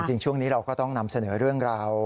ช่วงนี้เราก็ต้องนำเสนอเรื่องราว